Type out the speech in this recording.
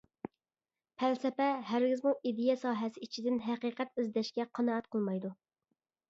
پەلسەپە ھەرگىزمۇ ئىدىيە ساھەسى ئىچىدىن ھەقىقەت ئىزدەشكە قانائەت قىلمايدۇ.